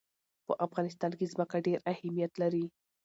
په افغانستان کې ځمکه ډېر اهمیت لري.